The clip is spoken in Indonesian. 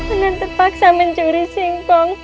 anak terpaksa mencuri singkong